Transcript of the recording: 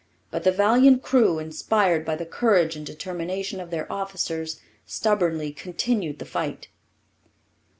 But the valiant crew, inspired by the courage and determination of their officers, stubbornly continued the fight.